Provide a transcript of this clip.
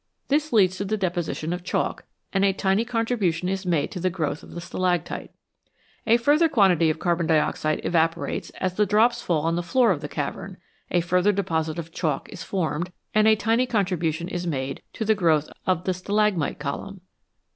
This leads to the deposition of chalk, and a tiny contribu tion is made to the growth of the stalactite. A further quantity of carbon dioxide evaporates as the drops fall on the floor of the cavern, a further deposit of chalk ^ formed, and a tiny contribution is made to the growth of the stalagmite column.